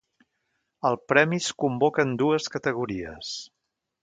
El premi es convoca en dues categories: